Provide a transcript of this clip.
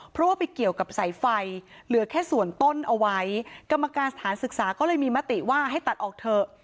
เพราะว่าไปเกี่ยวกับสายไฟเหลือแค่ส่วนต้นเอาไว้กรรมการสถานศึกษาก็เลยมีมติว่าให้ตัดออกเถอะ